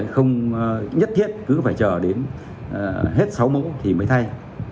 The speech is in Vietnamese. không nhất thiết cứ phải chờ đến hết sáu mẫu thì mới thay